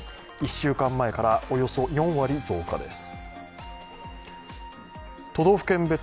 １週間前からおよそ４割増加です。